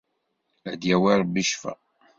Ad d-yawi Rebbi ccfa.